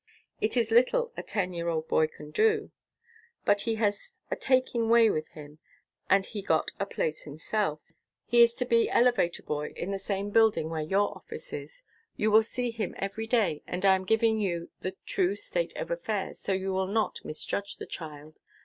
It is little a ten year old boy can do, but he has a taking way with him, and he got a place himself. He is to be elevator boy in the same building where your office is. You will see him every day, and I am giving you the true state of affairs, so you will not misjudge the child.